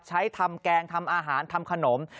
ใช้ทำแกงทำอาหารทำขนม